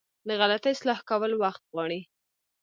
د غلطي اصلاح کول وخت غواړي.